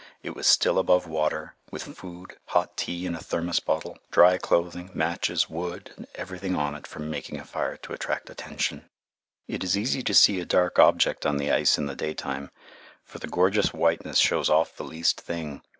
It was still above water, with food, hot tea in a thermos bottle, dry clothing, matches, wood, and everything on it for making a fire to attract attention. It is easy to see a dark object on the ice in the daytime, for the gorgeous whiteness shows off the least thing.